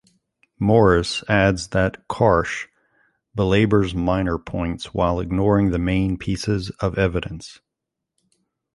Morris adds that Karsh belabors minor points while ignoring the main pieces of evidence.